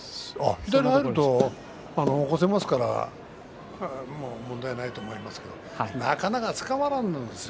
左入ると起こせますからね、問題ないと思いますがなかなかつかまらないんですよ